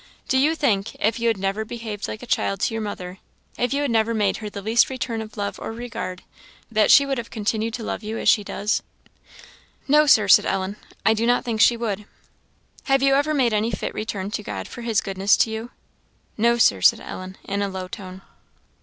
Do you think, if you had never behaved like a child to your mother if you had never made her the least return of love or regard that she would have continued to love you as she does?" "No, Sir," said Ellen "I do not think she would." "Have you ever made any fit return to God for his goodness to you?" "No, Sir," said Ellen, in a low tone.